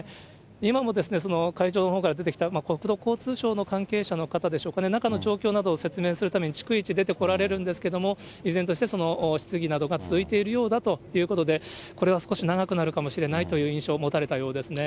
今も、会場のほうから出てきた、国土交通省の関係者の方でしょうかね、中の状況などを説明するために逐一出てこられるんですけれども、依然として質疑などが続いているようだということで、これは少し長くなるかもしれないという印象を持たれたようですね。